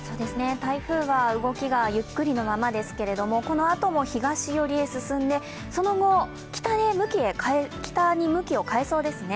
台風は動きがゆっくりのままですけれどもこのあとも東寄りへ進んでその後北に向きを変えそうですね。